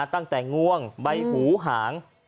ตั้งแต่งงวงบริเวณหูหาง